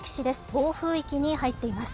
暴風域に入っています。